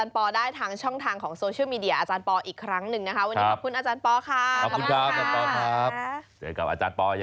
เป็นเจ้าของบริษัทเองเลยดีกว่า